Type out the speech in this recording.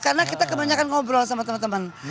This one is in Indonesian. karena kita kebanyakan ngobrol sama teman teman